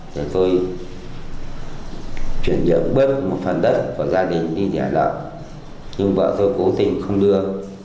để tôi chuyển dưỡng bớt một phần đất của gia đình đi giải lợi nhưng vợ tôi cố tình không đưa